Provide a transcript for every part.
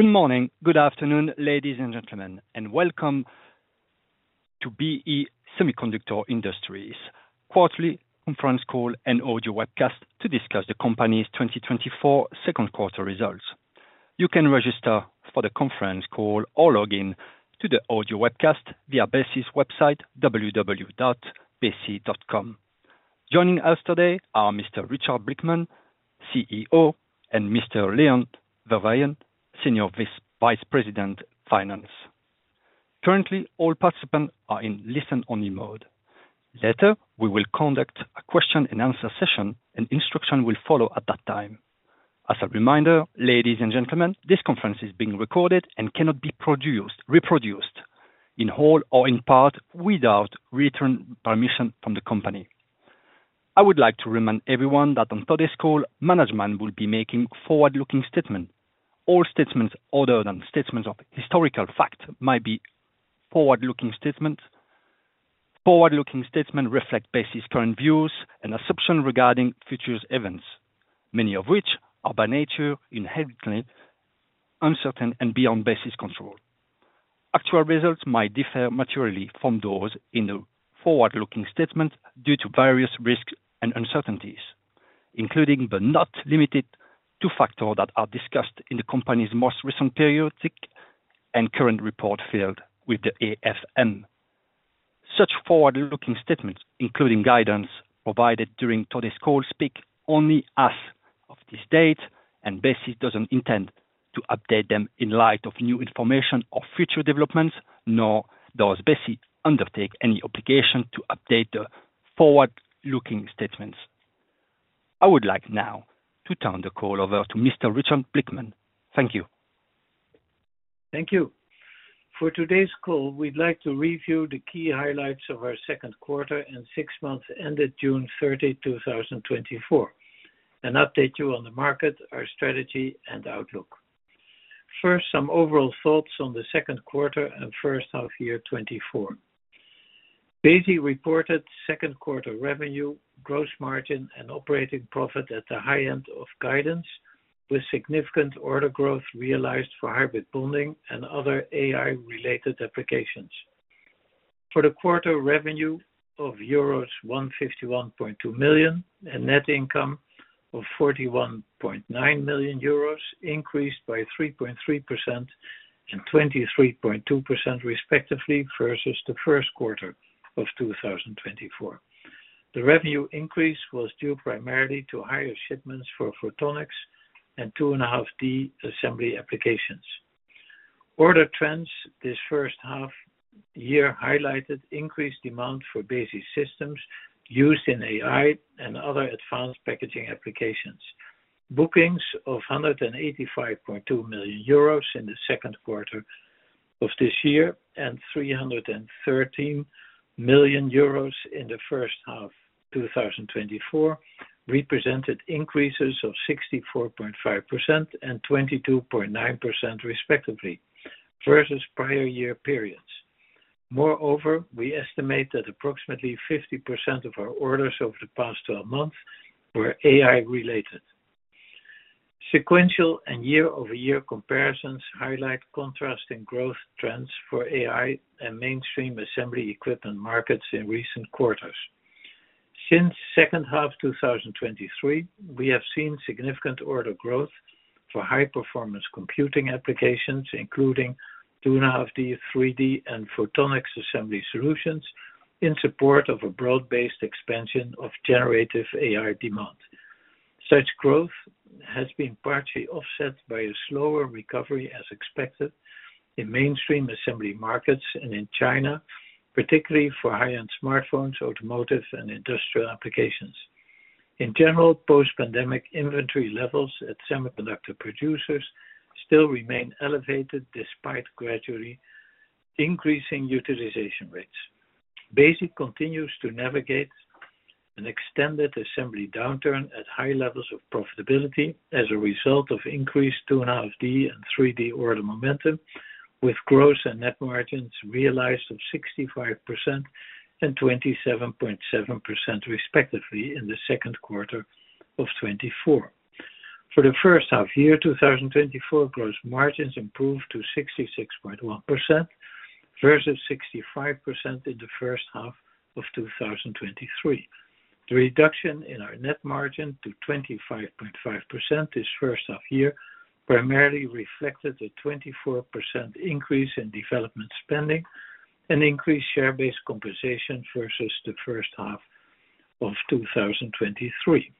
Good morning, good afternoon, ladies and gentlemen, and welcome to BE Semiconductor Industries' quarterly conference call and audio webcast to discuss the company's 2024 second quarter results. You can register for the conference call or log in to the audio webcast via BESI's website, www.besi.com. Joining us today are Mr. Richard Blickman, CEO, and Mr. Leon Verweijen, Senior Vice President, Finance. Currently, all participants are in listen-only mode. Later, we will conduct a question and answer session, and instructions will follow at that time. As a reminder, ladies and gentlemen, this conference is being recorded and cannot be reproduced in whole or in part without written permission from the company. I would like to remind everyone that on today's call, management will be making forward-looking statements. All statements other than statements of historical fact might be forward-looking statements. Forward-looking statements reflect BESI's current views and assumptions regarding future events, many of which are by nature inherently uncertain and beyond BESI's control. Actual results might differ materially from those in the forward-looking statements due to various risks and uncertainties, including but not limited to factors that are discussed in the company's most recent periodic and current report filed with the AFM. Such forward-looking statements, including guidance provided during today's call, speak only as of this date, and BESI doesn't intend to update them in light of new information or future developments, nor does BESI undertake any obligation to update the forward-looking statements. I would like now to turn the call over to Mr. Richard Blickman. Thank you. Thank you. For today's call, we'd like to review the key highlights of our second quarter and six months ended June 30, 2024, and update you on the market, our strategy, and outlook. First, some overall thoughts on the second quarter and first half year 2024. BESI reported second quarter revenue, gross margin, and operating profit at the high end of guidance, with significant order growth realized for hybrid bonding and other AI-related applications. For the quarter revenue of euros 151.2 million and net income of 41.9 million euros, increased by 3.3% and 23.2% respectively versus the first quarter of 2024. The revenue increase was due primarily to higher shipments for photonics and 2.5D assembly applications. Order trends this first half year highlighted increased demand for BESI systems used in AI and other advanced packaging applications. Bookings of 185.2 million euros in the second quarter of this year and 313 million euros in the first half 2024 represented increases of 64.5% and 22.9% respectively versus prior year periods. Moreover, we estimate that approximately 50% of our orders over the past 12 months were AI-related. Sequential and year-over-year comparisons highlight contrasting growth trends for AI and mainstream assembly equipment markets in recent quarters. Since second half 2023, we have seen significant order growth for high-performance computing applications, including 2.5D, 3D, and photonics assembly solutions in support of a broad-based expansion of generative AI demand. Such growth has been partially offset by a slower recovery, as expected, in mainstream assembly markets and in China, particularly for high-end smartphones, automotive, and industrial applications. In general, post-pandemic inventory levels at semiconductor producers still remain elevated despite gradually increasing utilization rates. BESI continues to navigate an extended assembly downturn at high levels of profitability as a result of increased 2.5D and 3D order momentum, with gross and net margins realized of 65% and 27.7% respectively in the second quarter of 2024. For the first half year 2024, gross margins improved to 66.1% versus 65% in the first half of 2023. The reduction in our net margin to 25.5% this first half year primarily reflected a 24% increase in development spending and increased share-based compensation versus the first half of 2023.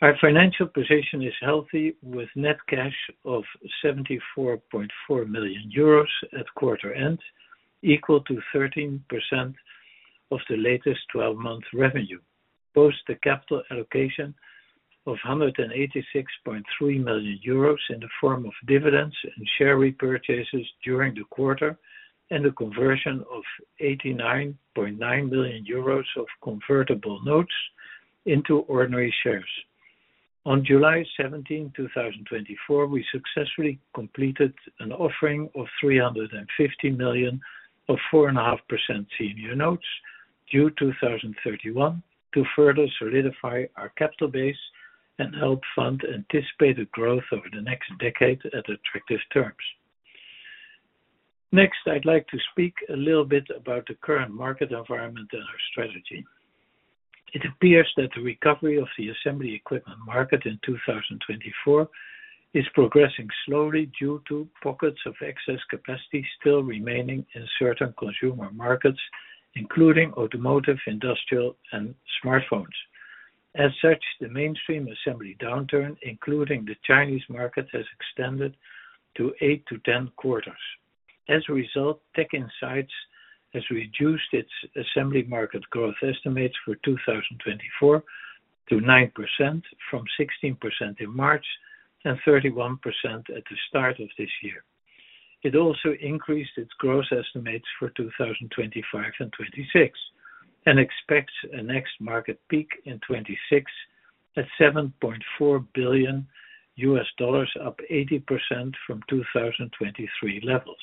Our financial position is healthy, with net cash of 74.4 million euros at quarter end, equal to 13% of the latest 12-month revenue, post the capital allocation of 186.3 million euros in the form of dividends and share repurchases during the quarter, and the conversion of 89.9 million euros of convertible notes into ordinary shares. On July 17th, 2024, we successfully completed an offering of 350 million of 4.5% senior notes due 2031 to further solidify our capital base and help fund anticipated growth over the next decade at attractive terms. Next, I'd like to speak a little bit about the current market environment and our strategy. It appears that the recovery of the assembly equipment market in 2024 is progressing slowly due to pockets of excess capacity still remaining in certain consumer markets, including automotive, industrial, and smartphones. As such, the mainstream assembly downturn, including the Chinese market, has extended to eight to 10 quarters. As a result, TechInsights has reduced its assembly market growth estimates for 2024 to 9% from 16% in March and 31% at the start of this year. It also increased its growth estimates for 2025 and 2026 and expects a next market peak in 2026 at $7.4 billion, up 80% from 2023 levels.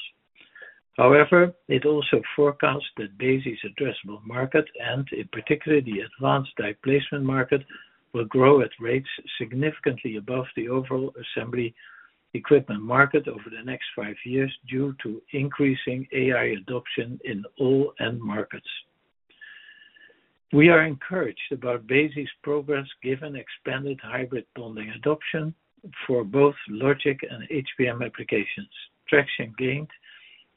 However, it also forecasts that BESI's addressable market, and in particular the advanced die placement market, will grow at rates significantly above the overall assembly equipment market over the next five years due to increasing AI adoption in all end markets. We are encouraged about BESI's progress given expanded hybrid bonding adoption for both logic and HBM applications, traction gained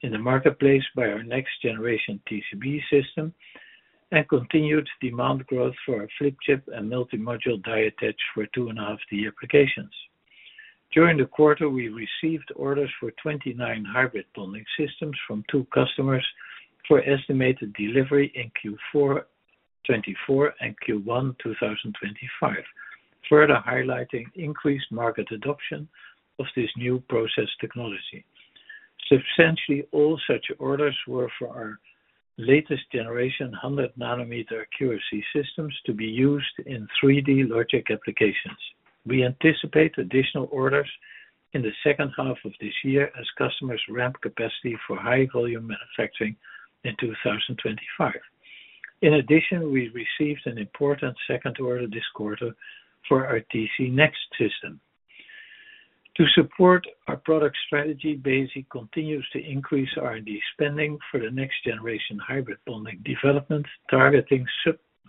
in the marketplace by our next generation TCB system, and continued demand growth for our flip chip and multi-module die attached for 2.5D applications. During the quarter, we received orders for 29 hybrid bonding systems from two customers for estimated delivery in Q4 2024 and Q1 2025, further highlighting increased market adoption of this new process technology. Substantially all such orders were for our latest generation 100 nm accuracy systems to be used in 3D logic applications. We anticipate additional orders in the second half of this year as customers ramp capacity for high volume manufacturing in 2025. In addition, we received an important second order this quarter for our TC Next system. To support our product strategy, BESI continues to increase R&D spending for the next generation hybrid bonding development, targeting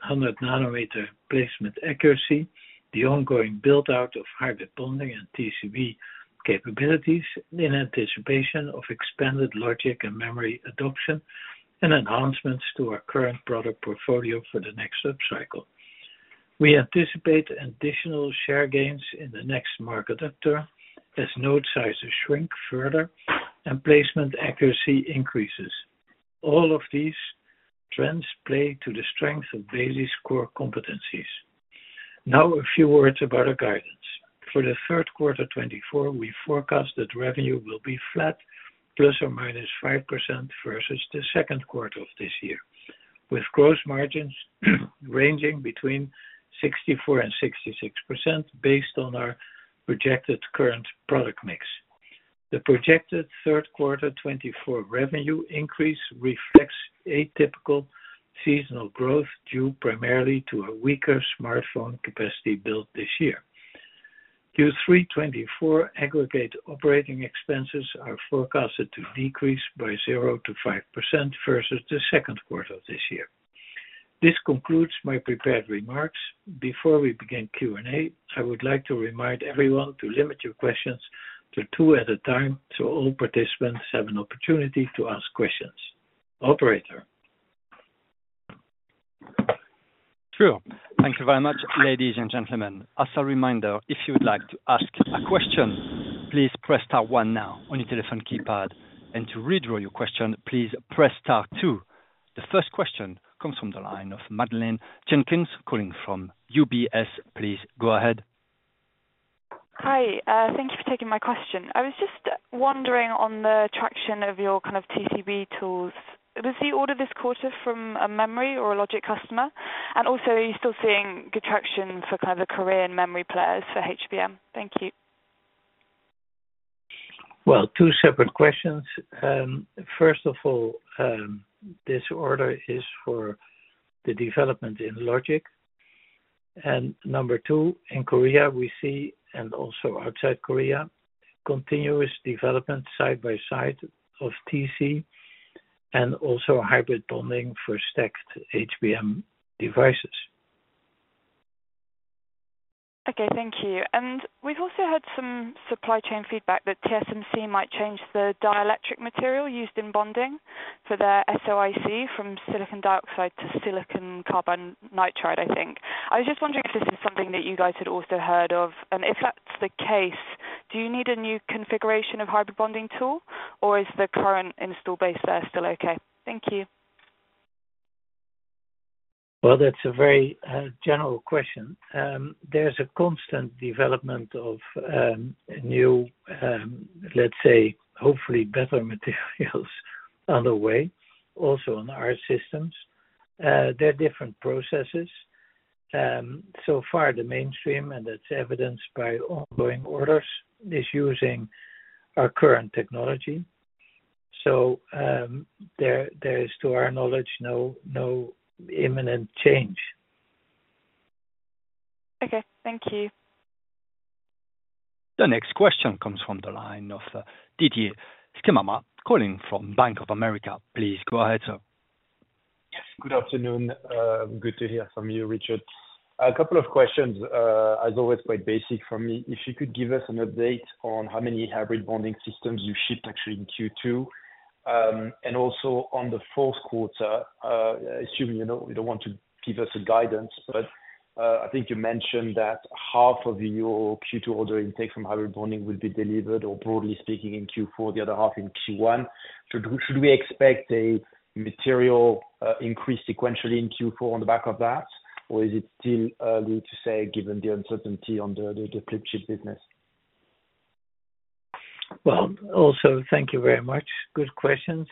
100 nm placement accuracy, the ongoing build-out of hybrid bonding and TCB capabilities in anticipation of expanded logic and memory adoption, and enhancements to our current product portfolio for the next subcycle. We anticipate additional share gains in the next market upturn as node sizes shrink further and placement accuracy increases. All of these trends play to the strength of BESI's core competencies. Now, a few words about our guidance. For the third quarter 2024, we forecast that revenue will be flat, ±5% versus the second quarter of this year, with gross margins ranging between 64%-66% based on our projected current product mix. The projected third quarter 2024 revenue increase reflects atypical seasonal growth due primarily to a weaker smartphone capacity built this year. Q3 2024 aggregate operating expenses are forecasted to decrease by 0%-5% versus the second quarter of this year. This concludes my prepared remarks. Before we begin Q&A, I would like to remind everyone to limit your questions to two at a time so all participants have an opportunity to ask questions. Operator. Thank you very much, ladies and gentlemen. As a reminder, if you would like to ask a question, please press star one now on your telephone keypad, and to withdraw your question, please press star two. The first question comes from the line of Madeleine Jenkins calling from UBS. Please go ahead. Hi, thank you for taking my question. I was just wondering on the traction of your kind of TCB tools. Was the order this quarter from a memory or a logic customer? And also, are you still seeing good traction for kind of the Korean memory players for HBM? Thank you. Well, two separate questions. First of all, this order is for the development in logic. Number two, in Korea, we see, and also outside Korea, continuous development side by side of TC and also hybrid bonding for stacked HBM devices. Okay, thank you. And we've also had some supply chain feedback that TSMC might change the dielectric material used in bonding for their SOIC from silicon dioxide to silicon carbon nitride, I think. I was just wondering if this is something that you guys had also heard of. And if that's the case, do you need a new configuration of hybrid bonding tool, or is the current install base there still okay? Thank you. Well, that's a very general question. There's a constant development of new, let's say, hopefully better materials on the way, also on our systems. There are different processes. So far, the mainstream, and that's evidenced by ongoing orders, is using our current technology. So there is, to our knowledge, no imminent change. Okay, thank you. The next question comes from the line of Didier Scemama calling from Bank of America. Please go ahead, sir. Yes, good afternoon. Good to hear from you, Richard. A couple of questions, as always, quite basic for me. If you could give us an update on how many hybrid bonding systems you shipped actually in Q2, and also on the fourth quarter? I assume you don't want to give us a guidance, but I think you mentioned that half of your Q2 order intake from hybrid bonding will be delivered, or broadly speaking, in Q4, the other half in Q1. Should we expect a material increase sequentially in Q4 on the back of that, or is it still early to say, given the uncertainty on the flip chip business? Well, also, thank you very much. Good questions.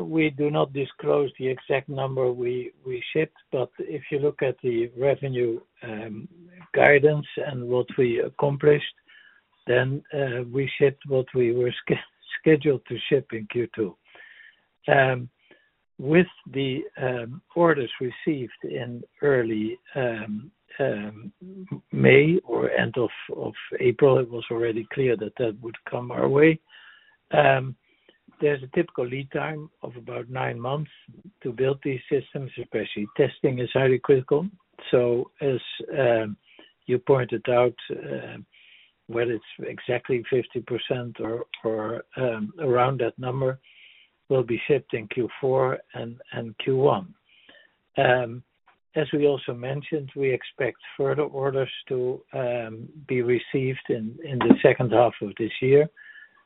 We do not disclose the exact number we shipped, but if you look at the revenue guidance and what we accomplished, then we shipped what we were scheduled to ship in Q2. With the orders received in early May or end of April, it was already clear that that would come our way. There's a typical lead time of about nine months to build these systems, especially testing is highly critical. So, as you pointed out, whether it's exactly 50% or around that number, we'll be shipped in Q4 and Q1. As we also mentioned, we expect further orders to be received in the second half of this year.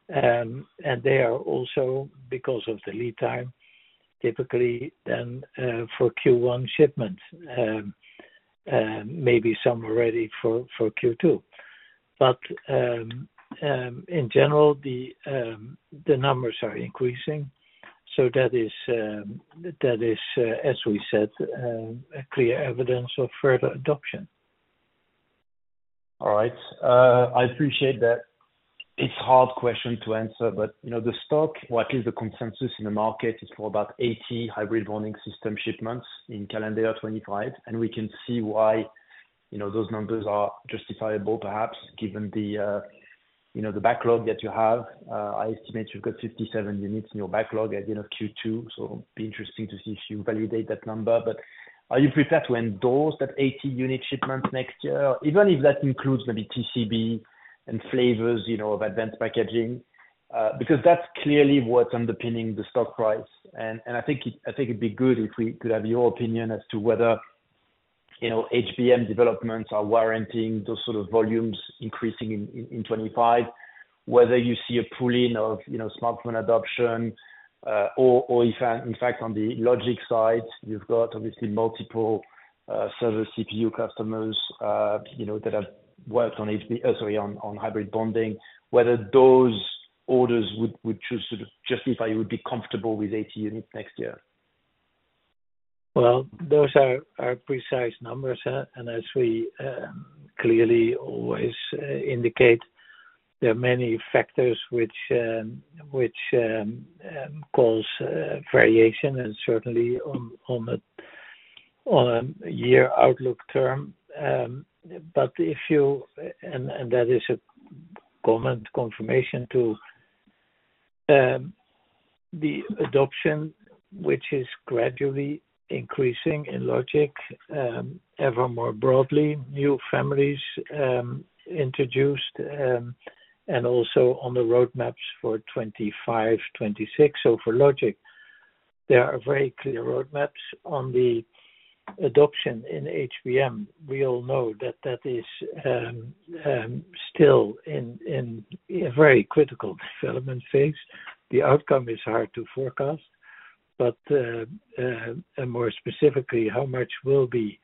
And they are also, because of the lead time, typically then for Q1 shipments, maybe some already for Q2. But in general, the numbers are increasing. That is, as we said, clear evidence of further adoption. All right. I appreciate that. It's a hard question to answer, but the stock, or at least the consensus in the market, is for about 80 hybrid bonding system shipments in calendar 2025. We can see why those numbers are justifiable, perhaps, given the backlog that you have. I estimate you've got 57 units in your backlog at the end of Q2. It'd be interesting to see if you validate that number. Are you prepared to endorse that 80 unit shipments next year, even if that includes maybe TCB and flavors of advanced packaging? Because that's clearly what's underpinning the stock price. I think it'd be good if we could have your opinion as to whether HBM developments are warranting those sort of volumes increasing in 2025, whether you see a pull-in of smartphone adoption, or if, in fact, on the logic side, you've got obviously multiple server CPU customers that have worked on HBM, sorry, on hybrid bonding, whether those orders would justify you would be comfortable with 80 units next year. Well, those are precise numbers. And as we clearly always indicate, there are many factors which cause variation, and certainly on a year outlook term. But if you—and that is a common confirmation to the adoption, which is gradually increasing in logic, ever more broadly, new families introduced, and also on the roadmaps for 2025, 2026. So for logic, there are very clear roadmaps on the adoption in HBM. We all know that that is still in a very critical development phase. The outcome is hard to forecast, but more specifically, how much will be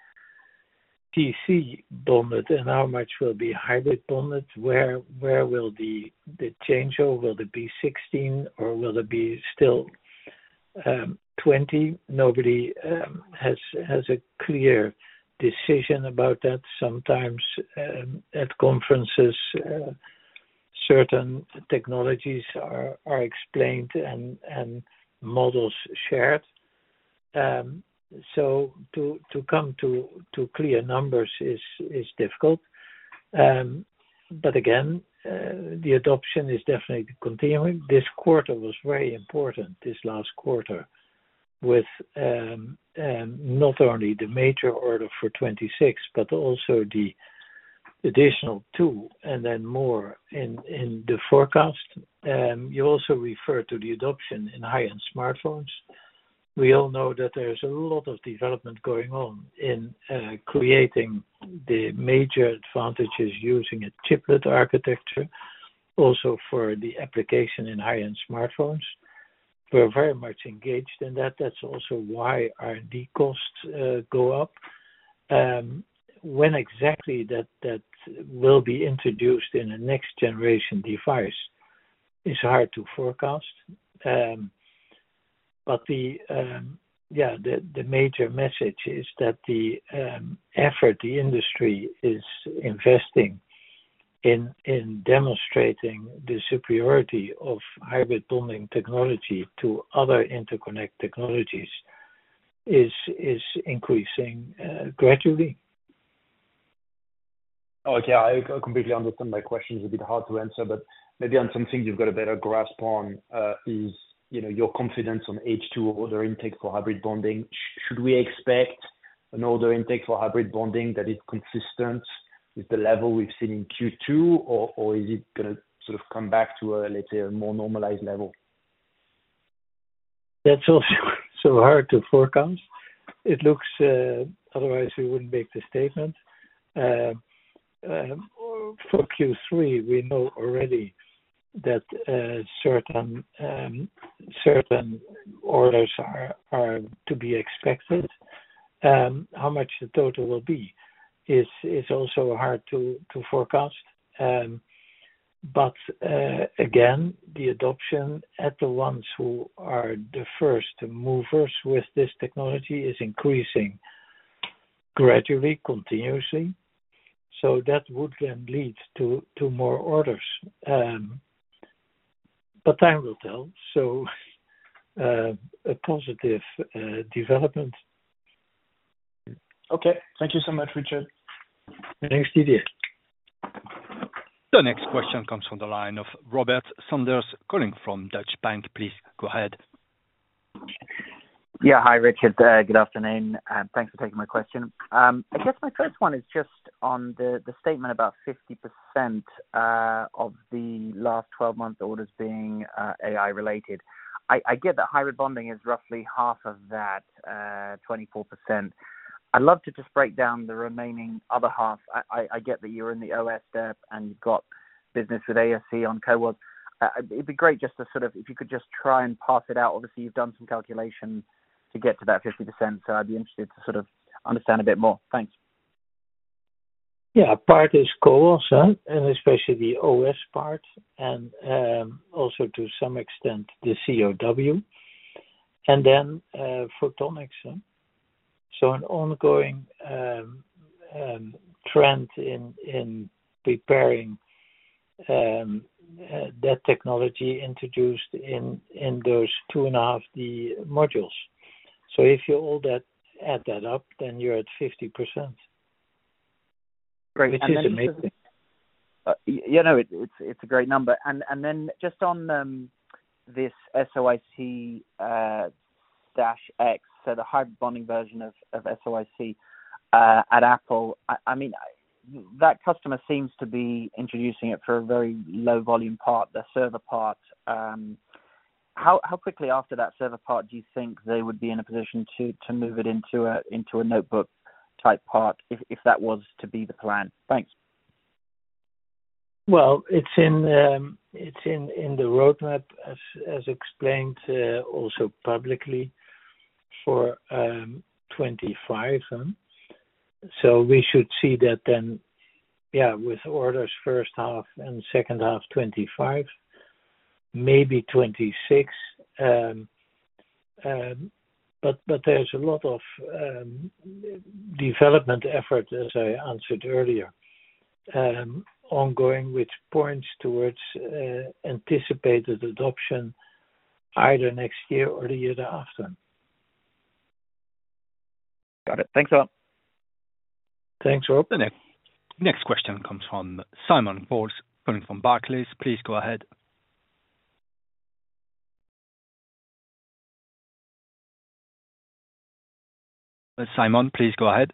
TC bonded and how much will be hybrid bonded? Where will the change go? Will it be 16, or will it be still 20? Nobody has a clear decision about that. Sometimes at conferences, certain technologies are explained and models shared. So to come to clear numbers is difficult. But again, the adoption is definitely continuing. This quarter was very important, this last quarter, with not only the major order for 2026, but also the additional two and then more in the forecast. You also referred to the adoption in high-end smartphones. We all know that there's a lot of development going on in creating the major advantages using a chiplet architecture, also for the application in high-end smartphones. We're very much engaged in that. That's also why our costs go up. When exactly that will be introduced in a next-generation device is hard to forecast. But yeah, the major message is that the effort the industry is investing in demonstrating the superiority of hybrid bonding technology to other interconnect technologies is increasing gradually. Okay, I completely understand. My question is a bit hard to answer, but maybe on something you've got a better grasp on is your confidence on H2 order intake for hybrid bonding? Should we expect an order intake for hybrid bonding that is consistent with the level we've seen in Q2, or is it going to sort of come back to a, let's say, a more normalized level? That's also hard to forecast. It looks otherwise we wouldn't make the statement. For Q3, we know already that certain orders are to be expected. How much the total will be is also hard to forecast. But again, the adoption at the ones who are the first movers with this technology is increasing gradually, continuously. So that would then lead to more orders. But time will tell. So a positive development. Okay. Thank you so much, Richard. Thanks, Didier. The next question comes from the line of Robert Sanders calling from Deutsche Bank. Please go ahead. Yeah, hi, Richard. Good afternoon. Thanks for taking my question. I guess my first one is just on the statement about 50% of the last 12 months' orders being AI-related. I get that hybrid bonding is roughly half of that, 24%. I'd love to just break down the remaining other half. I get that you're in the OSAT and you've got business with TSMC on CoWoS. It'd be great just to sort of, if you could just try and parse it out. Obviously, you've done some calculation to get to that 50%, so I'd be interested to sort of understand a bit more. Thanks. Yeah, part is CoWoS, and especially the OS part, and also to some extent the CoWoS, and then photonics. So an ongoing trend in preparing that technology introduced in those 2.5D modules. So if you add that up, then you're at 50%, which is amazing. Yeah, no, it's a great number. And then just on this SOIC-X, so the hybrid bonding version of SOIC at Apple, I mean, that customer seems to be introducing it for a very low-volume part, the server part. How quickly after that server part do you think they would be in a position to move it into a notebook type part if that was to be the plan? Thanks. Well, it's in the roadmap, as explained also publicly for 2025. So we should see that then, yeah, with orders first half and second half 2025, maybe 2026. But there's a lot of development effort, as I answered earlier, ongoing, which points towards anticipated adoption either next year or the year thereafter. Got it. Thanks a lot. Thanks, Rob. The next question comes from Simon Coles calling from Barclays. Please go ahead. Simon, please go ahead.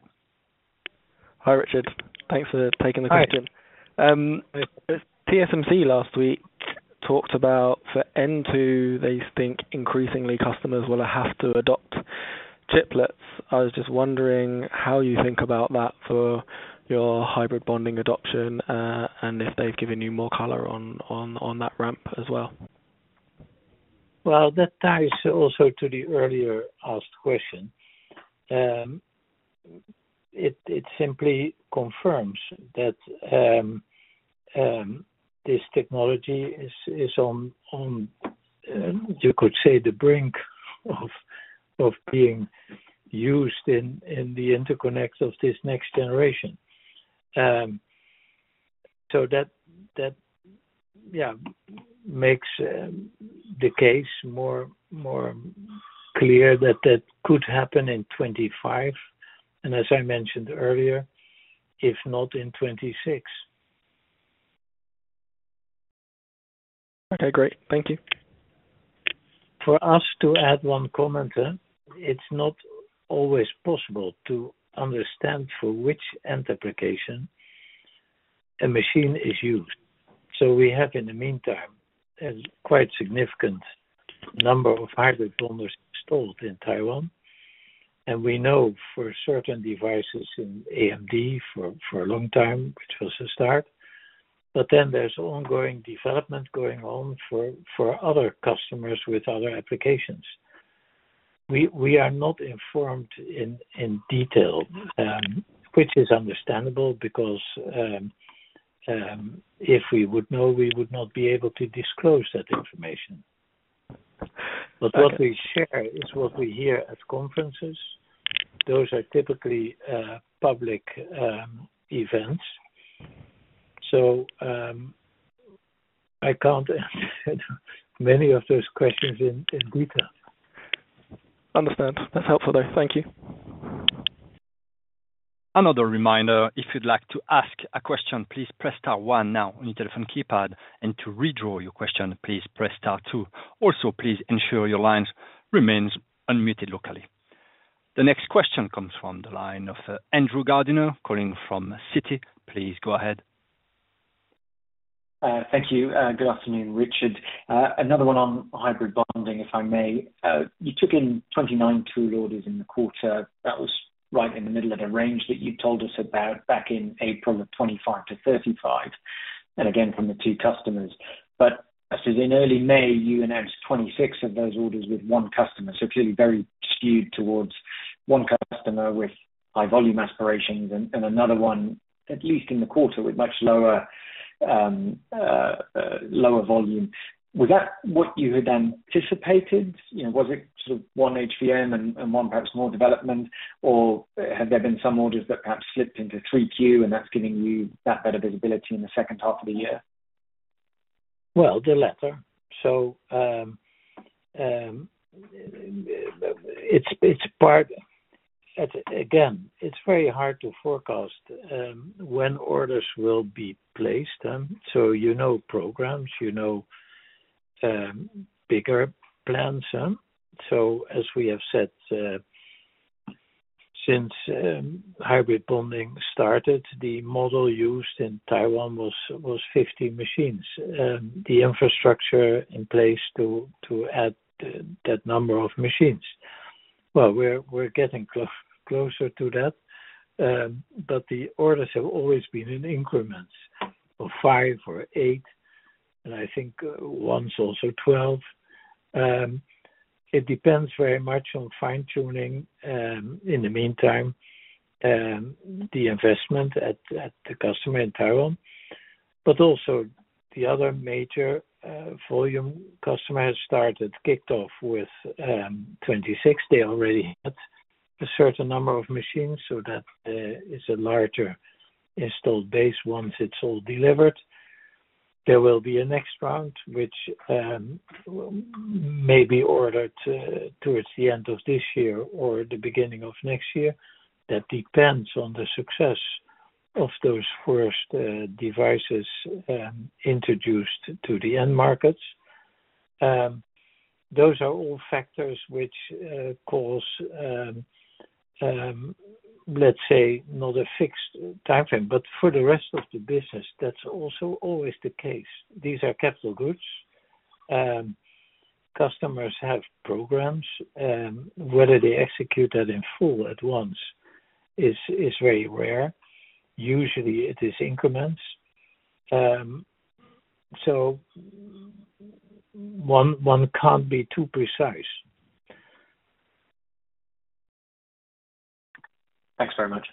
Hi, Richard. Thanks for taking the question. TSMC last week talked about for N2, they think increasingly customers will have to adopt chiplets. I was just wondering how you think about that for your hybrid bonding adoption and if they've given you more color on that ramp as well. Well, that ties also to the earlier asked question. It simply confirms that this technology is on, you could say, the brink of being used in the interconnect of this next generation. So that, yeah, makes the case more clear that that could happen in 2025, and as I mentioned earlier, if not in 2026. Okay, great. Thank you. For us to add one comment, it's not always possible to understand for which application a machine is used. So we have, in the meantime, a quite significant number of hybrid bonders installed in Taiwan. And we know for certain devices in AMD for a long time, which was a start. But then there's ongoing development going on for other customers with other applications. We are not informed in detail, which is understandable because if we would know, we would not be able to disclose that information. But what we share is what we hear at conferences. Those are typically public events. So I can't answer many of those questions in detail. Understood. That's helpful though. Thank you. Another reminder, if you'd like to ask a question, please press star one now on your telephone keypad, and to withdraw your question, please press star two. Also, please ensure your lines remain unmuted locally. The next question comes from the line of Andrew Gardiner calling from Citi. Please go ahead. Thank you. Good afternoon, Richard. Another one on hybrid bonding, if I may. You took in 29 tool orders in the quarter. That was right in the middle of the range that you told us about back in April of 25-35, and again from the two customers. But as in early May, you announced 26 of those orders with one customer. So clearly very skewed towards one customer with high volume aspirations and another one, at least in the quarter, with much lower volume. Was that what you had anticipated? Was it sort of one HBM and one perhaps more development, or have there been some orders that perhaps slipped into 3Q and that's giving you that better visibility in the second half of the year? Well, the latter. So it's part, again, it's very hard to forecast when orders will be placed. So you know programs, you know bigger plans. So as we have said, since hybrid bonding started, the model used in Taiwan was 50 machines. The infrastructure in place to add that number of machines. Well, we're getting closer to that, but the orders have always been in increments of five or eight, and I think once also 12. It depends very much on fine-tuning in the meantime, the investment at the customer in Taiwan. But also the other major volume customer has started, kicked off with 26. They already had a certain number of machines, so that is a larger installed base once it's all delivered. There will be a next round, which may be ordered towards the end of this year or the beginning of next year. That depends on the success of those first devices introduced to the end markets. Those are all factors which cause, let's say, not a fixed timeframe, but for the rest of the business, that's also always the case. These are capital goods. Customers have programs. Whether they execute that in full at once is very rare. Usually, it is increments. So one can't be too precise. Thanks very much.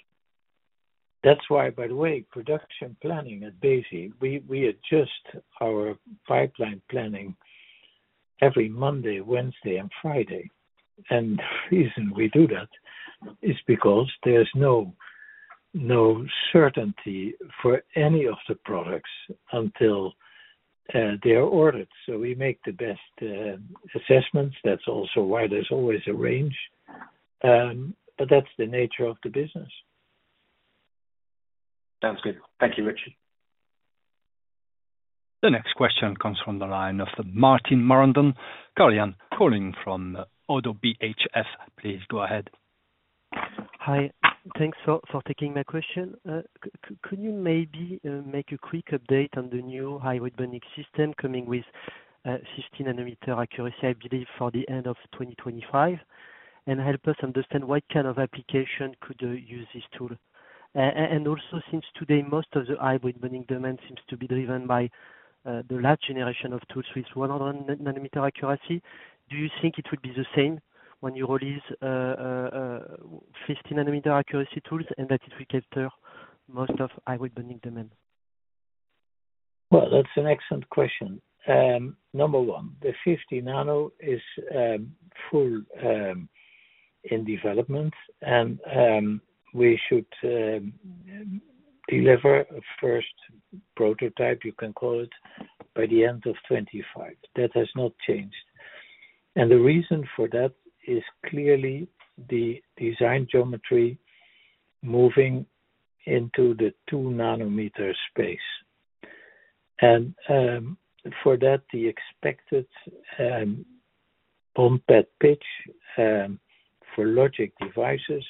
That's why, by the way, production planning at BESI, we adjust our pipeline planning every Monday, Wednesday, and Friday. And the reason we do that is because there's no certainty for any of the products until they're ordered. So we make the best assessments. That's also why there's always a range. But that's the nature of the business. Sounds good. Thank you, Rich. The next question comes from the line of Martin Marandon calling from ODDO BHF. Please go ahead. Hi. Thanks for taking my question. Could you maybe make a quick update on the new hybrid bonding system coming with 50 nm accuracy, I believe, for the end of 2025, and help us understand what kind of application could use this tool? And also, since today most of the hybrid bonding demand seems to be driven by the last generation of tools with 100 nanometer accuracy, do you think it would be the same when you release 50 nm accuracy tools and that it will capture most of hybrid bonding demand? Well, that's an excellent question. Number one, the 50 nm is fully in development, and we should deliver a first prototype, you can call it, by the end of 2025. That has not changed. And the reason for that is clearly the design geometry moving into the 2 nm space. And for that, the expected on-pad pitch for logic devices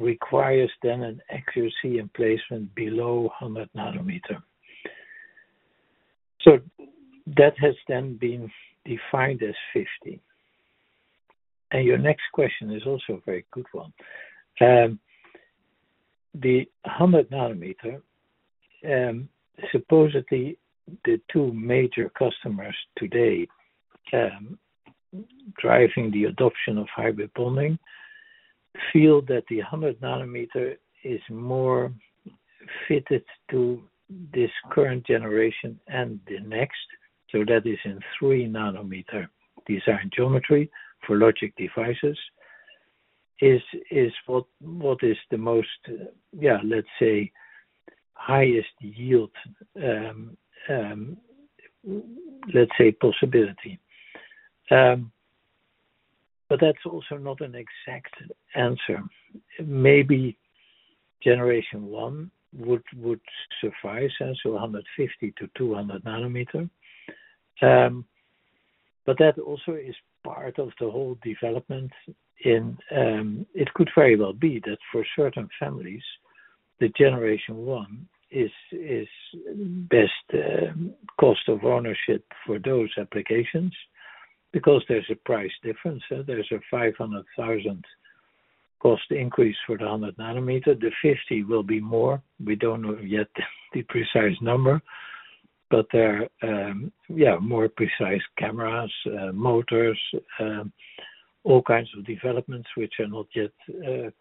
requires then an accuracy and placement below 100 nm. So that has then been defined as 50 nm. And your next question is also a very good one. The 100 nm, supposedly the two major customers today driving the adoption of hybrid bonding, feel that the 100 nm is more fitted to this current generation and the next. So that is in 3 nm design geometry for logic devices is what is the most, yeah, let's say, highest yield, let's say, possibility. But that's also not an exact answer. Maybe generation one would suffice as 150 nm-200 nm. But that also is part of the whole development. It could very well be that for certain families, the generation one is best cost of ownership for those applications because there's a price difference. There's a 500,000 cost increase for the 100 nm. The 50 nm will be more. We don't know yet the precise number, but there are, yeah, more precise cameras, motors, all kinds of developments which are not yet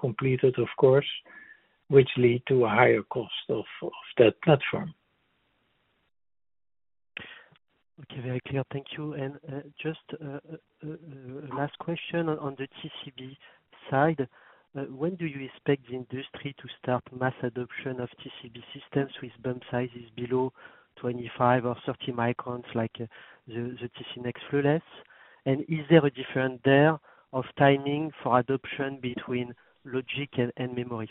completed, of course, which lead to a higher cost of that platform. Okay, very clear. Thank you. And just last question on the TCB side. When do you expect the industry to start mass adoption of TCB systems with bump sizes below 25 or 30 microns, like the TC Next Fluxless? And is there a difference there of timing for adoption between logic and memory?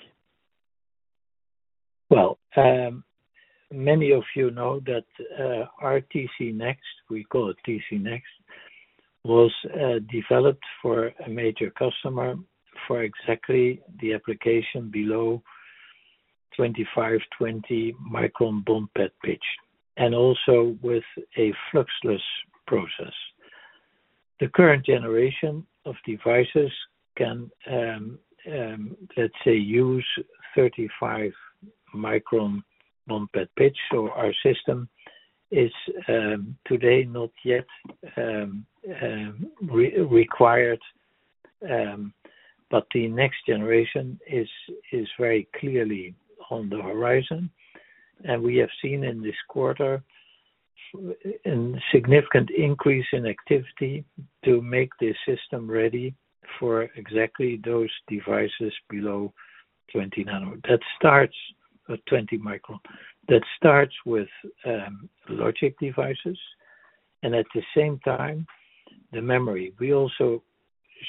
Well, many of you know that our TC Next, we call it TC Next, was developed for a major customer for exactly the application below 25-20 micron bumped pitch, and also with a fluxless process. The current generation of devices can, let's say, use 35 micron bumped pitch, so our system is today not yet required, but the next generation is very clearly on the horizon. We have seen in this quarter a significant increase in activity to make this system ready for exactly those devices below 20 nm. That starts at 20 micron. That starts with logic devices, and at the same time, the memory. We also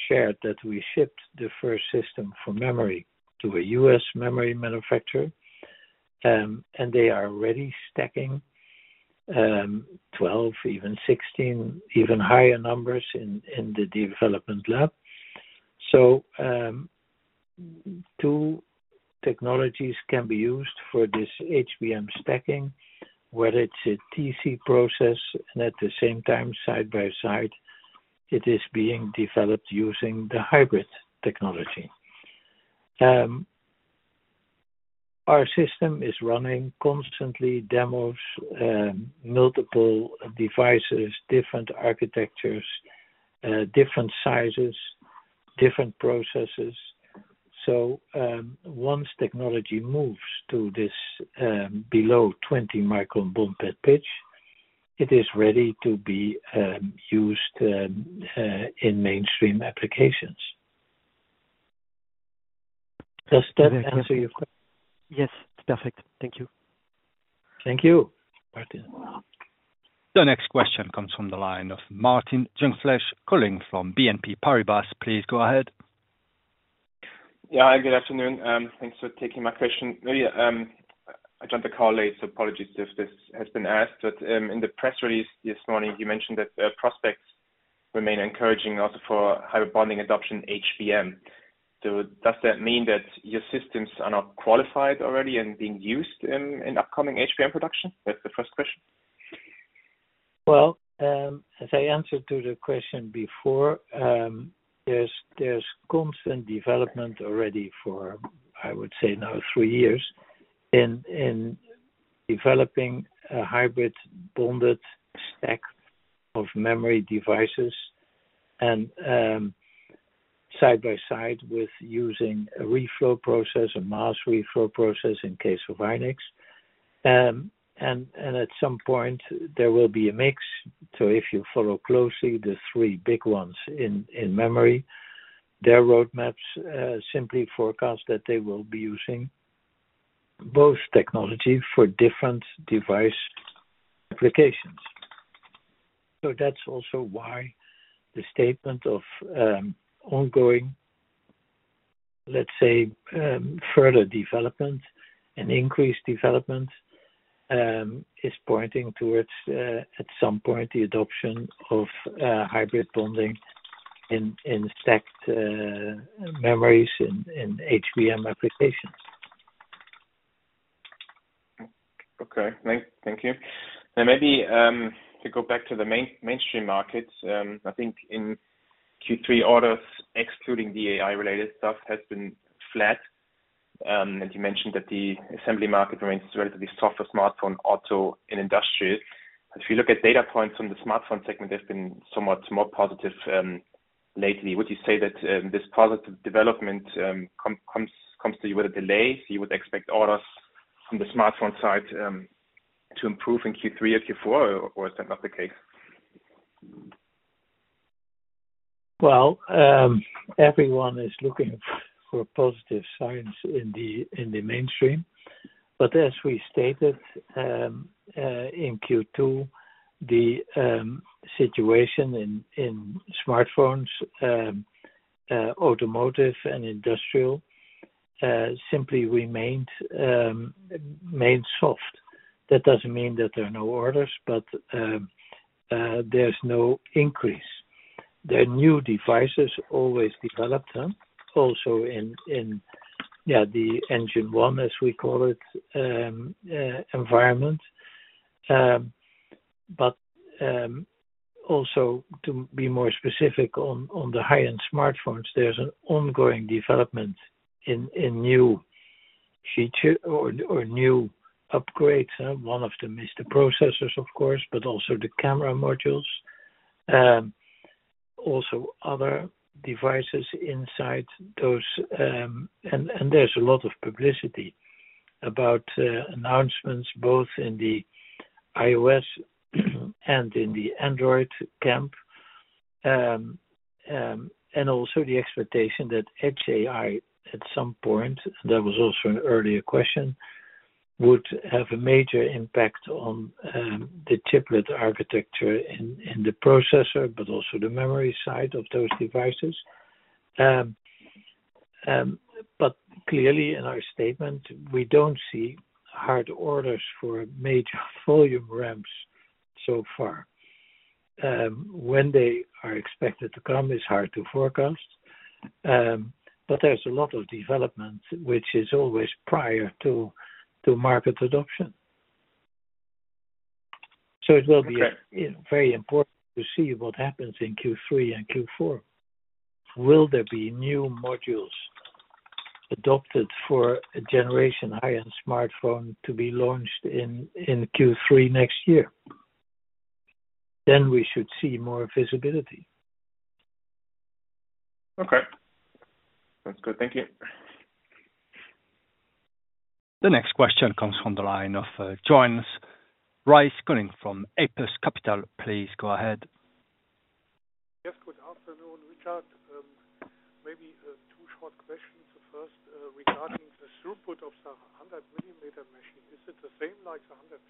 shared that we shipped the first system for memory to a U.S. memory manufacturer, and they are already stacking 12, even 16, even higher numbers in the development lab. So two technologies can be used for this HBM stacking, whether it's a TC process, and at the same time, side by side, it is being developed using the hybrid technology. Our system is running constantly demos, multiple devices, different architectures, different sizes, different processes. So once technology moves to this below 20-micron bumped pitch, it is ready to be used in mainstream applications. Does that answer your question? Yes. Perfect. Thank you. Thank you, Martin. The next question comes from the line of Martin Jungfleisch calling from BNP Paribas. Please go ahead. Yeah, good afternoon. Thanks for taking my question. I joined the call late, so apologies if this has been asked, but in the press release this morning, you mentioned that prospects remain encouraging also for hybrid bonding adoption HBM. So does that mean that your systems are not qualified already and being used in upcoming HBM production? That's the first question. Well, as I answered to the question before, there's constant development already for, I would say, now three years in developing a hybrid bonded stack of memory devices and side by side with using a reflow process, a mass reflow process in case of Hynix. And at some point, there will be a mix. So if you follow closely the three big ones in memory, their roadmaps simply forecast that they will be using both technology for different device applications. So that's also why the statement of ongoing, let's say, further development and increased development is pointing towards, at some point, the adoption of hybrid bonding in stacked memories in HBM applications. Okay. Thank you. And maybe to go back to the mainstream markets, I think in Q3 orders, excluding the AI-related stuff, has been flat. And you mentioned that the assembly market remains relatively soft for smartphone, auto, and industrial. If you look at data points on the smartphone segment, they've been somewhat more positive lately. Would you say that this positive development comes to you with a delay? So you would expect orders from the smartphone side to improve in Q3 or Q4, or is that not the case? Well, everyone is looking for positive signs in the mainstream. But as we stated in Q2, the situation in smartphones, automotive, and industrial simply remained soft; that doesn't mean that there are no orders, but there's no increase. There are new devices always developed, also in, yeah, the N-1, as we call it, environment. But also, to be more specific on the high-end smartphones, there's an ongoing development in new features or new upgrades. One of them is the processors, of course, but also the camera modules. Also, other devices inside those. And there's a lot of publicity about announcements both in the iOS and in the Android camp. And also the expectation that edge AI at some point, and that was also an earlier question, would have a major impact on the chiplet architecture in the processor, but also the memory side of those devices. Clearly, in our statement, we don't see hard orders for major volume ramps so far. When they are expected to come is hard to forecast, but there's a lot of development, which is always prior to market adoption. It will be very important to see what happens in Q3 and Q4. Will there be new modules adopted for a generation high-end smartphone to be launched in Q3 next year? We should see more visibility. Okay. Sounds good. Thank you. The next question comes from the line of Johannes Ries calling from Apus Capital. Please go ahead. Yes, good afternoon. Richard, maybe two short questions. The first regarding the throughput of the 100 nm machine. Is it the same like the 150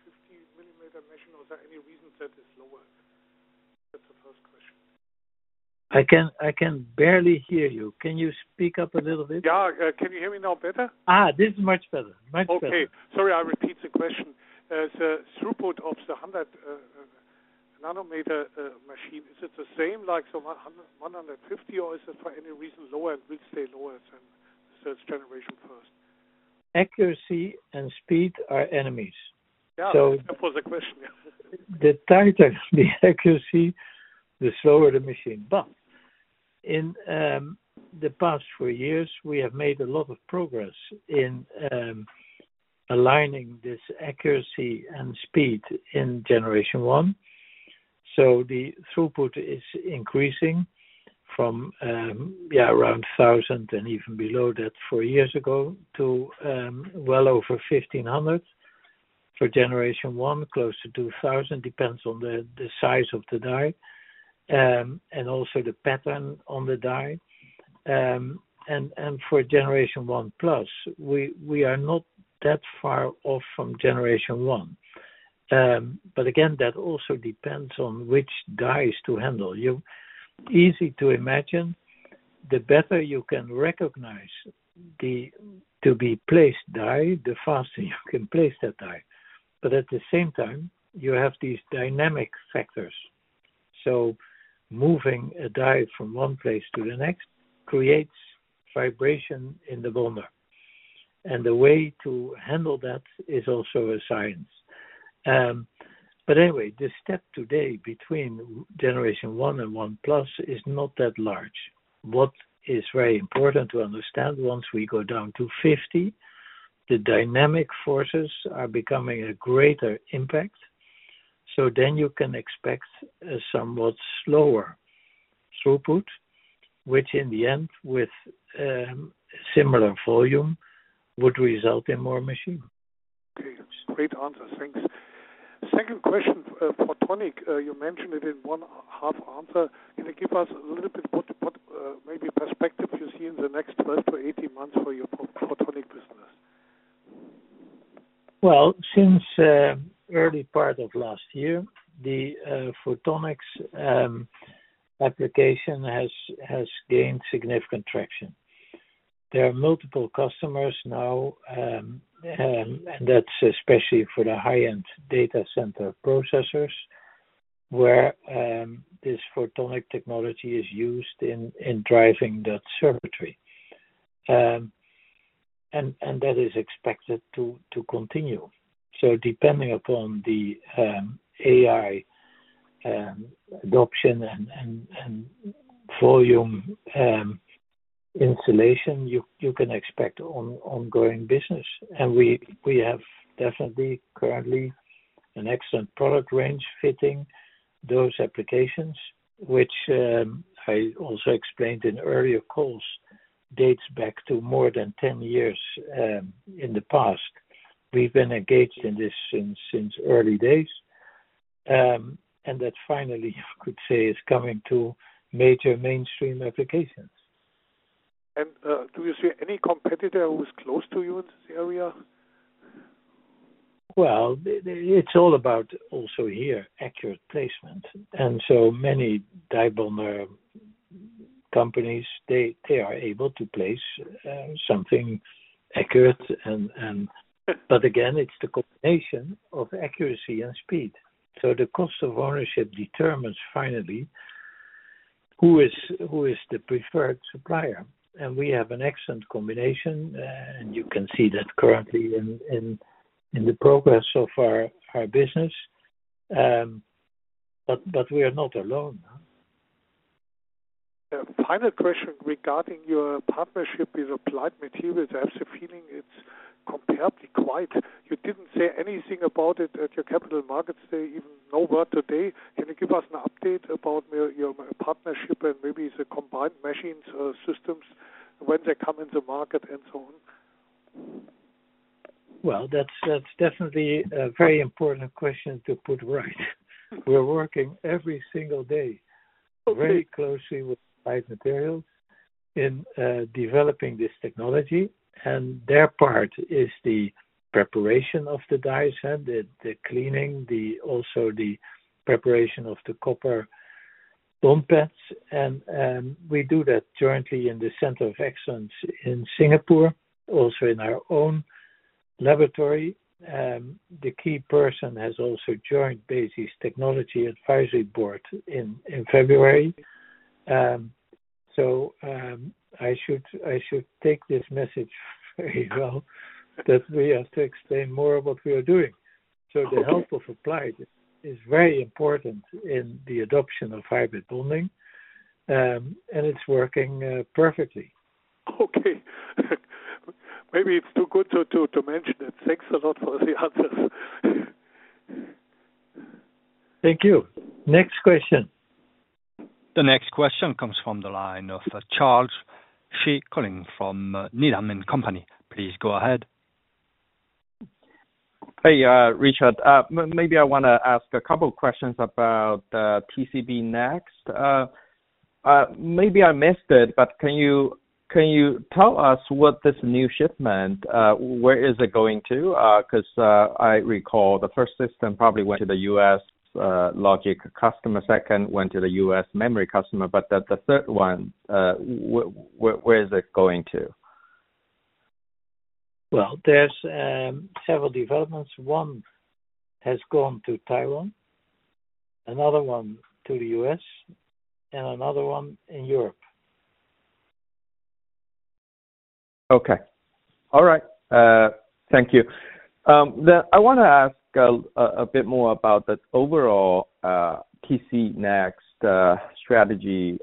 nm machine, or is there any reason that it's lower? That's the first question. I can barely hear you. Can you speak up a little bit? Yeah. Can you hear me now better? This is much better. Much better. Okay. Sorry, I repeat the question. The throughput of the 100 nm machine, is it the same like the 150 nm, or is it for any reason lower and will stay lower than the third generation first? Accuracy and speed are enemies. Yeah. That was the question. The tighter the accuracy, the slower the machine. But in the past four years, we have made a lot of progress in aligning this accuracy and speed in generation one. So the throughput is increasing from, yeah, around 1,000 and even below that four years ago to well over 1,500 for generation one, close to 2,000. Depends on the size of the die and also the pattern on the die. And for generation one plus, we are not that far off from generation one. But again, that also depends on which dies to handle. Easy to imagine, the better you can recognize the to-be-placed die, the faster you can place that die. But at the same time, you have these dynamic factors. So moving a die from one place to the next creates vibration in the bonder. And the way to handle that is also a science. But anyway, the step today between generation 1 and 1+ is not that large. What is very important to understand once we go down to 50 nm, the dynamic forces are becoming a greater impact. So then you can expect a somewhat slower throughput, which in the end, with similar volume, would result in more machine. Great answers. Thanks. Second question for Tonic, you mentioned it in one half answer. Can you give us a little bit what maybe perspective you see in the next 12-18 months for your photonics business? Well, since early part of last year, the photonics application has gained significant traction. There are multiple customers now, and that's especially for the high-end data center processors where this photonic technology is used in driving that circuitry. And that is expected to continue. So depending upon the AI adoption and volume installation, you can expect ongoing business. And we have definitely currently an excellent product range fitting those applications, which I also explained in earlier calls dates back to more than 10 years in the past. We've been engaged in this since early days. And that finally, I could say, is coming to major mainstream applications. Do you see any competitor who's close to you in this area? Well, it's all about also here, accurate placement. And so many die bonder companies, they are able to place something accurate. But again, it's the combination of accuracy and speed. So the cost of ownership determines finally who is the preferred supplier. And we have an excellent combination, and you can see that currently in the progress of our business. But we are not alone. Final question regarding your partnership with Applied Materials. I have the feeling it's compared quite. You didn't say anything about it at your capital markets day even nowhere today. Can you give us an update about your partnership and maybe the combined machines systems when they come into market and so on? Well, that's definitely a very important question to put right. We're working every single day very closely with Applied Materials in developing this technology. And their part is the preparation of the dies, the cleaning, also the preparation of the copper bond pads. And we do that jointly in the Center of Excellence in Singapore, also in our own laboratory. The key person has also joined BESI's Technology Advisory Board in February. So I should take this message very well that we have to explain more of what we are doing. So the help of Applied is very important in the adoption of hybrid bonding, and it's working perfectly. Okay. Maybe it's too good to mention it. Thanks a lot for the answers. Thank you. Next question. The next question comes from the line of Charles Shi calling from Needham & Company. Please go ahead. Hey, Richard. Maybe I want to ask a couple of questions about TC Next. Maybe I missed it, but can you tell us what this new shipment, where is it going to? Because I recall the first system probably went to the U.S. logic customer, second went to the U.S. memory customer, but the third one, where is it going to? Well, there's several developments. One has gone to Taiwan, another one to the U.S., and another one in Europe. Okay. All right. Thank you. I want to ask a bit more about the overall TC Next strategy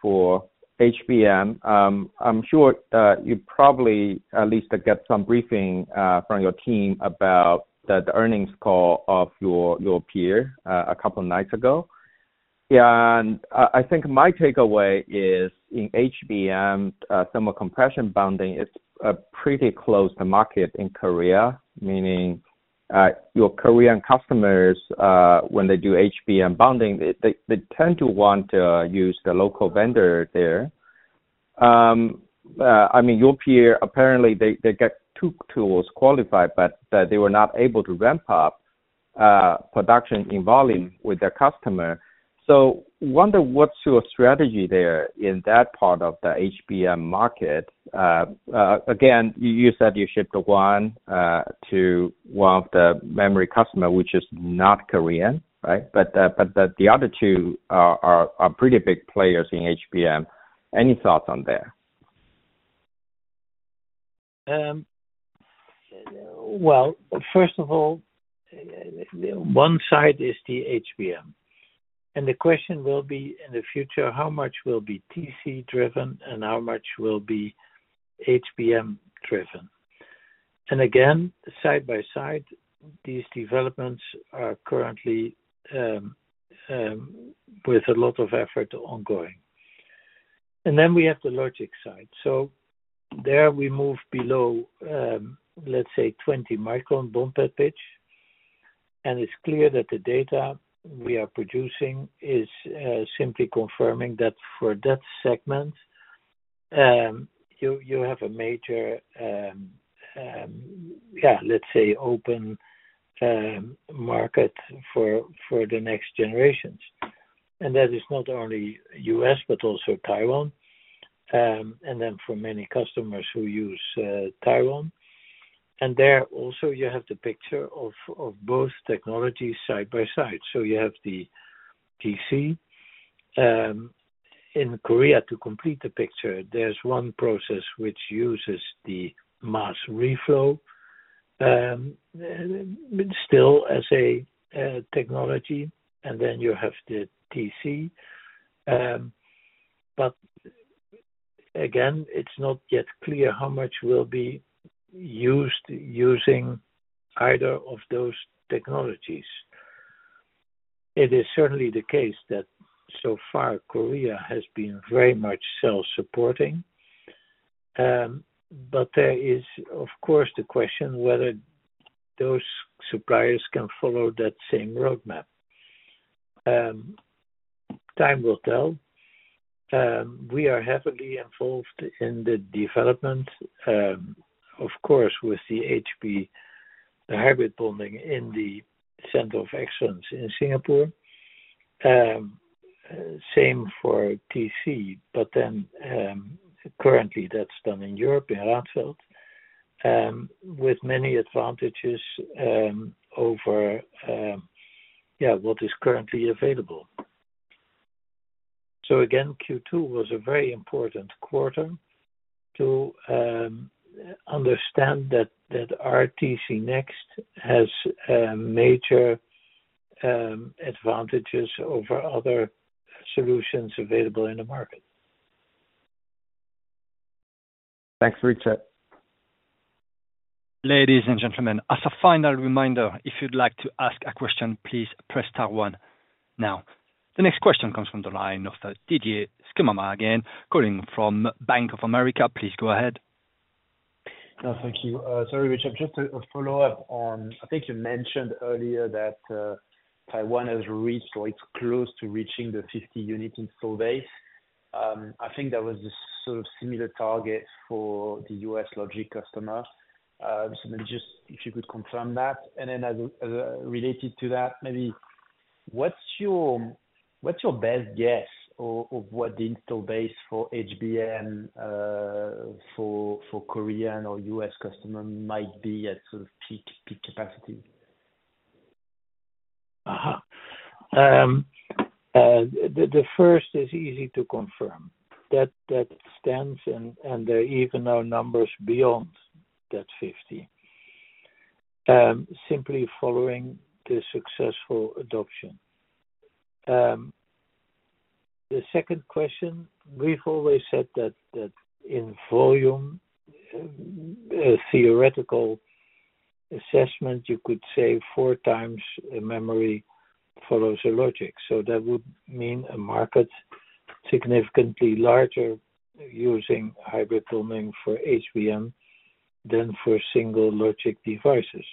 for HBM. I'm sure you probably at least got some briefing from your team about the earnings call of your peer a couple of nights ago. I think my takeaway is in HBM, thermal compression bonding is pretty close to market in Korea, meaning your Korean customers, when they do HBM bonding, they tend to want to use the local vendor there. I mean, your peer, apparently, they got two tools qualified, but they were not able to ramp up production in volume with their customer. I wonder what's your strategy there in that part of the HBM market? Again, you said you shipped one to one of the memory customers, which is not Korean, right? But the other two are pretty big players in HBM. Any thoughts on there? Well, first of all, one side is the HBM. And the question will be in the future, how much will be TC-driven and how much will be HBM-driven? And again, side by side, these developments are currently with a lot of effort ongoing. And then we have the logic side. So there we move below, let's say, 20-micron bond pad pitch. And it's clear that the data we are producing is simply confirming that for that segment, you have a major, yeah, let's say, open market for the next generations. And that is not only U.S., but also Taiwan, and then for many customers who use Taiwan. And there also, you have the picture of both technologies side by side. So you have the TC. In Korea, to complete the picture, there's one process which uses the mass reflow still as a technology. And then you have the TC. But again, it's not yet clear how much will be used using either of those technologies. It is certainly the case that so far, Korea has been very much self-supporting. But there is, of course, the question whether those suppliers can follow that same roadmap. Time will tell. We are heavily involved in the development, of course, with the HB, the hybrid bonding in the Center of Excellence in Singapore. Same for TC, but then currently, that's done in Europe in Radfeld with many advantages over, yeah, what is currently available. So again, Q2 was a very important quarter to understand that our TC Next has major advantages over other solutions available in the market. Thanks, Richard. Ladies and gentlemen, as a final reminder, if you'd like to ask a question, please press star one now. The next question comes from the line of Didier Scemama again calling from Bank of America. Please go ahead. Yeah, thank you. Sorry, Richard. Just a follow-up on, I think you mentioned earlier that Taiwan has reached or it's close to reaching the 50 units installed base. I think that was the sort of similar target for the US logic customer. So maybe just if you could confirm that. And then related to that, maybe what's your best guess of what the install base for HBM for Korean or US customers might be at sort of peak capacity? The first is easy to confirm. That stands and there are even now numbers beyond that 50, simply following the successful adoption. The second question, we've always said that in volume, a theoretical assessment, you could say four times memory follows a logic. So that would mean a market significantly larger using hybrid bonding for HBM than for single logic devices.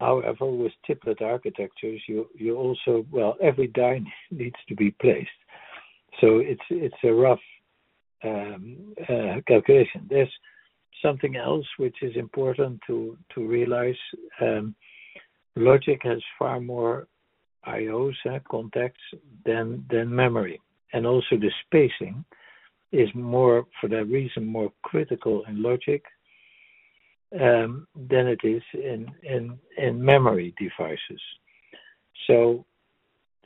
However, with chiplet architectures, you also well, every die needs to be placed. So it's a rough calculation. There's something else which is important to realize. Logic has far more I/Os, contacts than memory. And also the spacing is, for that reason, more critical in logic than it is in memory devices. So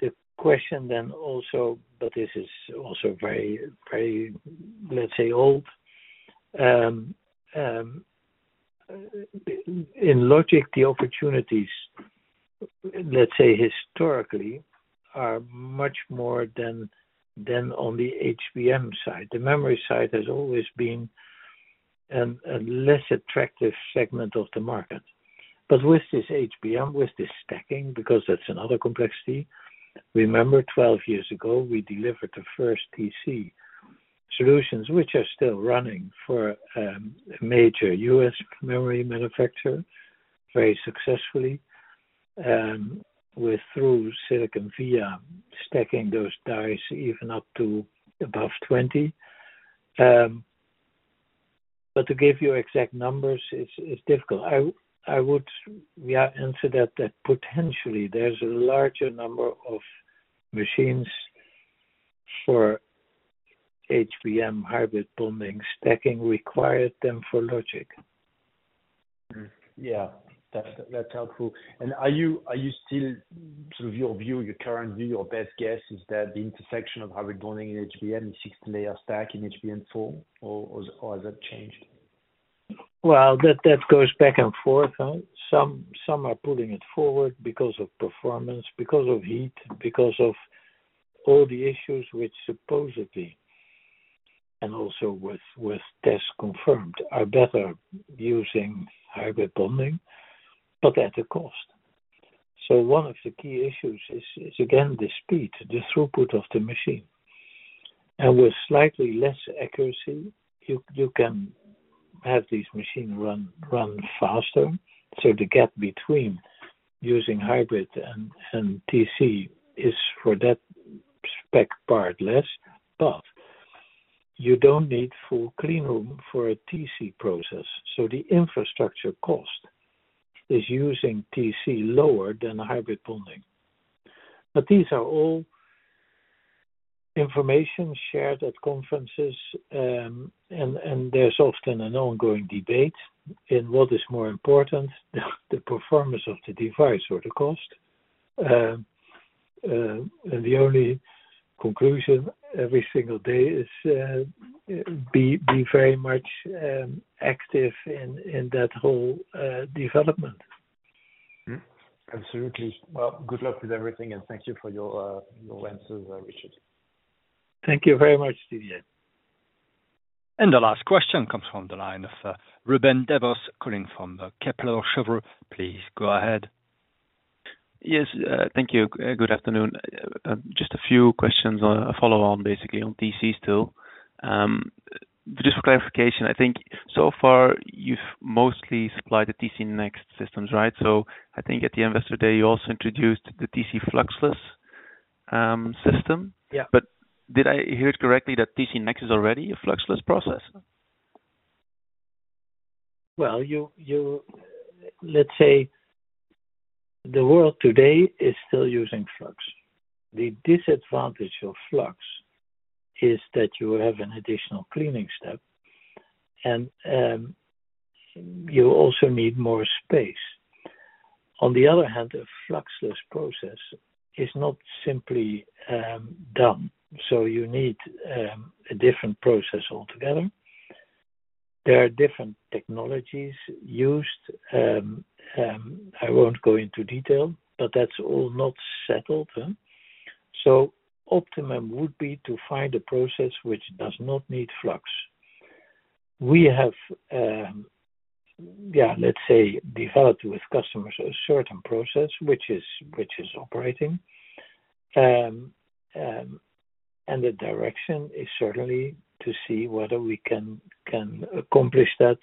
the question then also, but this is also very, let's say, old. In logic, the opportunities, let's say, historically are much more than on the HBM side. The memory side has always been a less attractive segment of the market. But with this HBM, with this stacking, because that's another complexity, remember 12 years ago, we delivered the first TC solutions, which are still running for a major U.S. memory manufacturer very successfully with through-silicon via stacking those dies even up to above 20. But to give you exact numbers, it's difficult. I would answer that potentially there's a larger number of machines for HBM hybrid bonding stacking required than for logic. Yeah. That's helpful. And are you still sort of your view, your current view, your best guess is that the intersection of hybrid bonding in HBM is 16-layer stack in HBM4, or has that changed? Well, that goes back and forth. Some are pulling it forward because of performance, because of heat, because of all the issues which supposedly, and also with tests confirmed, are better using hybrid bonding, but at a cost. So one of the key issues is, again, the speed, the throughput of the machine. And with slightly less accuracy, you can have these machines run faster. So the gap between using hybrid and TC is for that spec part less, but you don't need full clean room for a TC process. So the infrastructure cost is using TC lower than hybrid bonding. But these are all information shared at conferences, and there's often an ongoing debate in what is more important, the performance of the device or the cost. And the only conclusion every single day is be very much active in that whole development. Absolutely. Well, good luck with everything, and thank you for your answers, Richard. Thank you very much, Didier. The last question comes from the line of Ruben Devos calling from Kepler Cheuvreux. Please go ahead. Yes. Thank you. Good afternoon. Just a few questions, a follow-on basically on TC still. Just for clarification, I think so far you've mostly supplied the TC Next systems, right? So I think at the end of yesterday, you also introduced the TC Fluxless system. But did I hear it correctly that TC Next is already a Fluxless process? Well, let's say the world today is still using Flux. The disadvantage of Flux is that you have an additional cleaning step, and you also need more space. On the other hand, a Fluxless process is not simply done. So you need a different process altogether. There are different technologies used. I won't go into detail, but that's all not settled. So optimum would be to find a process which does not need Flux. We have, yeah, let's say, developed with customers a certain process which is operating. And the direction is certainly to see whether we can accomplish that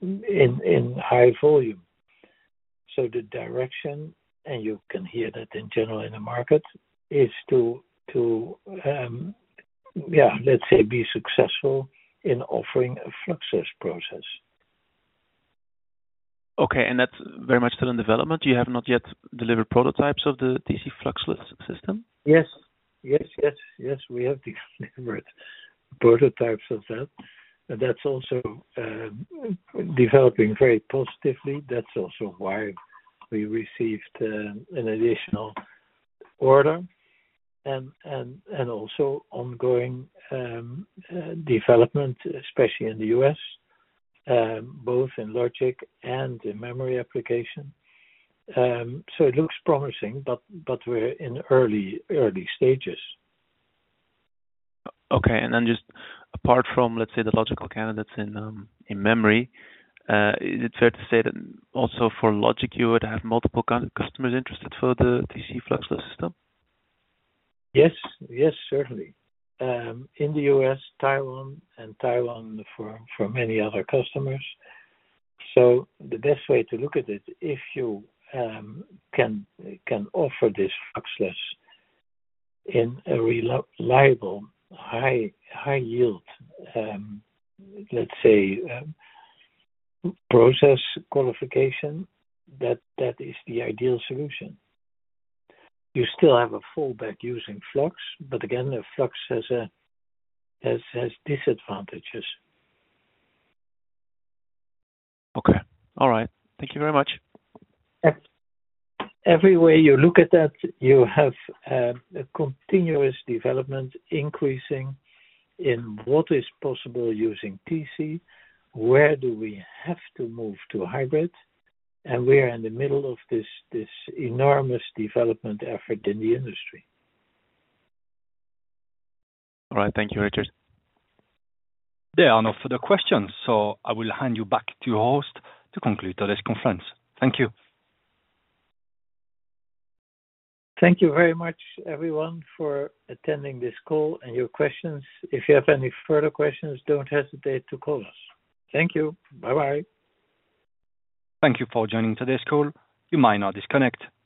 in high volume. So the direction, and you can hear that in general in the market, is to, yeah, let's say, be successful in offering a Fluxless process. Okay. And that's very much still in development? You have not yet delivered prototypes of the TC Fluxless system? Yes. Yes, yes, yes. We have delivered prototypes of that. And that's also developing very positively. That's also why we received an additional order and also ongoing development, especially in the U.S., both in logic and in memory application. So it looks promising, but we're in early stages. Okay. And then just apart from, let's say, the logical candidates in memory, is it fair to say that also for logic, you would have multiple customers interested for the TC Fluxless system? Yes. Yes, certainly. In the U.S., Taiwan, and Taiwan for many other customers. So the best way to look at it, if you can offer this Fluxless in a reliable, high-yield, let's say, process qualification, that is the ideal solution. You still have a fallback using Flux, but again, Flux has disadvantages. Okay. All right. Thank you very much. Everywhere you look at that, you have a continuous development increasing in what is possible using TC, where do we have to move to hybrid, and we are in the middle of this enormous development effort in the industry. All right. Thank you, Richard. There are no further questions. I will hand you back to your host to conclude today's conference. Thank you. Thank you very much, everyone, for attending this call and your questions. If you have any further questions, don't hesitate to call us. Thank you. Bye-bye. Thank you for joining today's call. You may now disconnect.